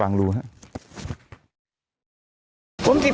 ฟังลูกครับ